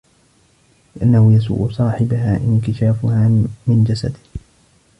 لِأَنَّهُ يَسُوءُ صَاحِبَهَا انْكِشَافُهَا مِنْ جَسَدِهِ